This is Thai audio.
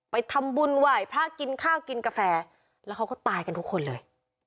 ไปทำบุญไหว้พระกินข้าวกินกาแฟแล้วเขาก็ตายกันทุกคนเลย